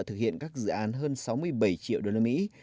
thực hiện các dự án hơn sáu mươi bảy triệu đô la mỹ